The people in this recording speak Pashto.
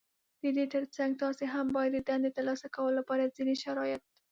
د دې تر څنګ تاسې هم بايد د دندې ترلاسه کولو لپاره ځينې شرايط